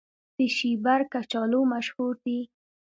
د شیبر کچالو مشهور دي